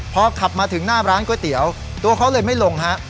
พอขับมาถึงหน้าร้านก๋วยเตี๋ยวตัวเขาเลยไม่ลงฮะ